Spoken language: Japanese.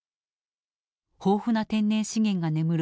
豊富な天然資源が眠る